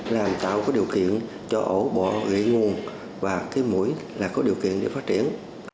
làm tạo cái điều kiện cho ổ bọ ủy nguồn và cái mũi là có điều kiện để phát triển